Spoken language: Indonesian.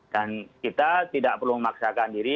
dan kita tidak perlu memaksakan diri